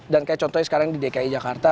dan kayak contohnya sekarang di dki jakarta